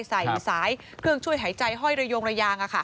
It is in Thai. สายเครื่องช่วยหายใจห้อยระยงระยาง